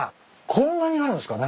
こんなにあるんすか？